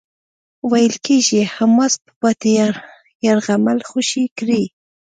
ویل کېږی حماس به پاتې يرغمل خوشي کړي.